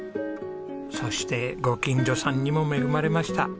そしてご近所さんにも恵まれました。